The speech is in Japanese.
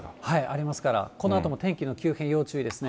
ありますから、このあとも天気の急変、要注意ですね。